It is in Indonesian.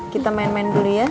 kita main main dulu ya